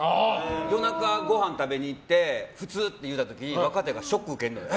夜中ご飯食べに行って普通って言うた時若手がショック受けるねん。